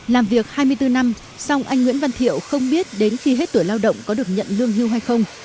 làm việc hai mươi bốn năm song anh nguyễn văn thiệu không biết đến khi hết tuổi lao động có được nhận lương hưu hay không